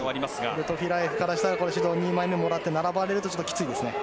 ルトフィラエフからしたら指導２枚目もらって並ばれるときついですね。